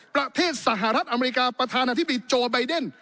ประเทศสหรัฐอเมริกาประธานาธิบดีโจไบเดน